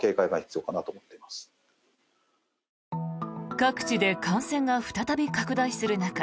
各地で感染が再び拡大する中